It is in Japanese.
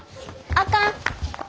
あかん！